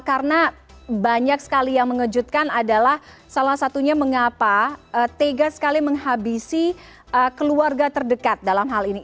karena banyak sekali yang mengejutkan adalah salah satunya mengapa tegas sekali menghabisi keluarga terdekat dalam hal ini